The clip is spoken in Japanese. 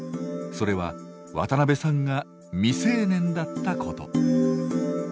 それは渡部さんが未成年だったこと。